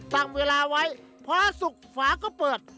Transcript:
ตั้งเวลาไว้พอศุกร์ฝาก็เปิด